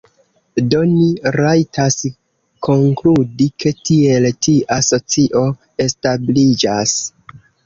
Do ni rajtas konkludi ke tiel tia socio establiĝas.